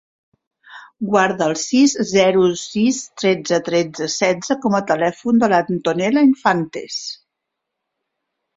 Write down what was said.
Guarda el sis, zero, sis, tretze, tretze, setze com a telèfon de l'Antonella Infantes.